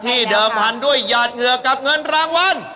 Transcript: เดิมพันธุ์ด้วยหยาดเหงื่อกับเงินรางวัล